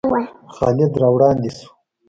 خالد را وړاندې شو.